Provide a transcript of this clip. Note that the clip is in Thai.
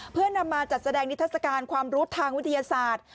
เพื่อนำมาจัดแสดงนิทัศกาลความรู้ทางวิทยาศาสตร์